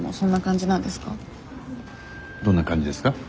どんな感じですか？